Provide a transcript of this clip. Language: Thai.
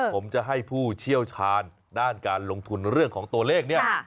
ผมจะให้ผู้เชี่ยวชาญด้านการลงทุนเรื่องของตัวเลขเนี่ย